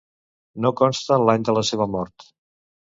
No consta l'any de la seva mort.